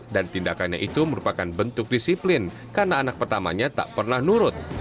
dan tindakannya itu merupakan bentuk disiplin karena anak pertamanya tak pernah nurut